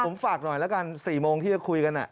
ผมฝากหน่อยแล้วกัน๔โมงที่จะคุยกัน